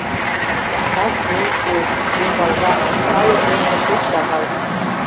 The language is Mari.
Кас юл шуэш, рӱмбалга, Айык еҥже пеш шагал.